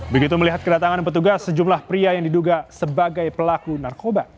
begitu melihat kedatangan petugas sejumlah pria yang diduga sebagai pelaku narkoba